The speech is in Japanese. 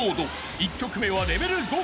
［１曲目はレベル５から］